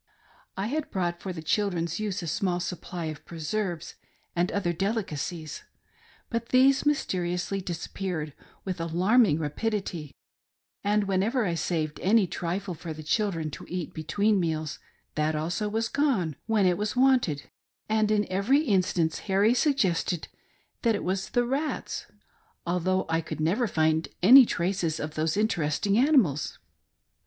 I had brought for the children's use a small supply of preserves and other little delicacies ; but these mysteriously disappeared with alarming rapidity, and whenever I saved any trifle for the children to eat between meals, that also was gone when it was wanted, and in every instance Harry suggested that it was " the rats," though I never could find any traces of those interesting animals.